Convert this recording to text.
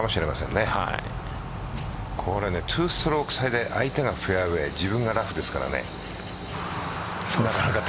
これ２ストローク差で相手がフェアウエー自分がラフですからね。